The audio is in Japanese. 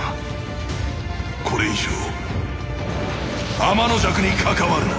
これ以上天の邪鬼に関わるな！